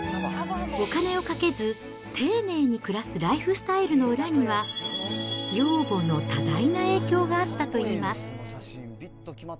お金をかけず、丁寧に暮らすライフスタイルの裏には、養母の多大な影響があったといいます。